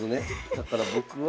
だから僕は。